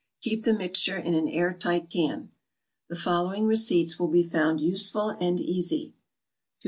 Keep the mixture in an air tight can. The following receipts will be found useful and easy: 262.